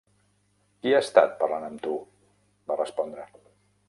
"Qui ha estat parlant amb tu?", va respondre.